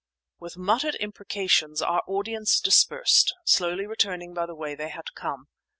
With muttered imprecations our audience dispersed, slowly returning by the way they had come.